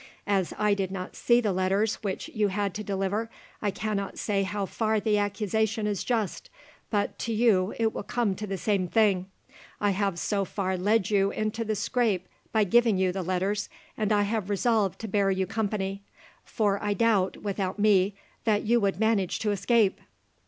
As I did not see the letters which you had to deliver, I cannot say how far the accusation is just, but to you it will come to the same thing. I have so far led you into the scrape by giving you the letters, and I have resolved to bear you company; for I doubt, without me, that you would manage to escape."